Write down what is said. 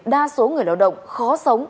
đa số người lao động khó sống